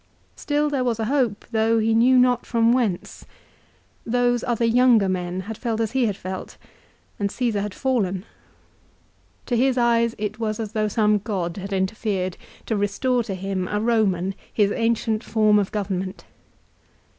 Still there was a hope though he knew not from whence. Those other younger men had felt as he had felt, and Caesar had fallen. To his eyes it was as though some god had interfered to restore to him, a Roman, his ancient form of government.